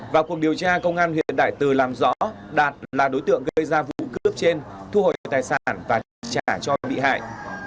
vào cuộc điều tra công an huyện đại từ làm rõ đạt là đối tượng gây ra vụ cướp trên thu hồi tài sản và trả cho bị hại